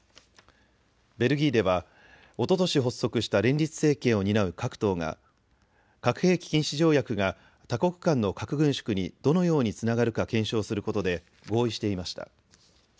ベルギーではおととし発足した連立政権を担う各党が核兵器禁止条約が多国間の核軍縮にどのようにつながるか検証することで合意していました。